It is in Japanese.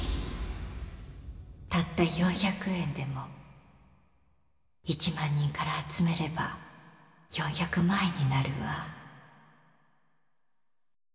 たった４００円でも１万人から集めれば４００万円になるわ。